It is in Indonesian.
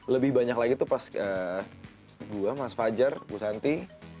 lebih banyak lagi tuh pas gue mas fajar bu santi